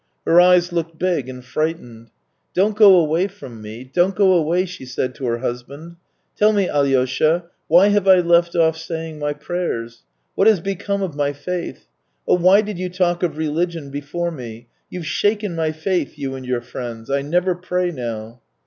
Her eyes looked big and frightened. " Don't go away from me, don't go away," she said to her husband. " Tell me, Alyosha, why have I left off saying my prayers ? What has become of my faith ? Oh, why did you talk of religion before me ? You've shaken my faith, you and your friends. I never pray now."